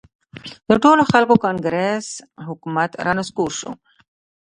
د ټولو خلکو کانګرس حکومت را نسکور شو.